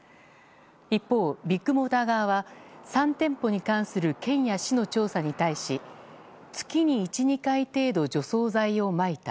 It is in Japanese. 一方、ビッグモーター側は３店舗に関する県や市の調査に対し月に１２回程度除草剤をまいた。